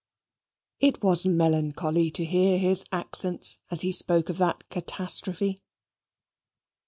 It was melancholy to hear his accents as he spoke of that catastrophe.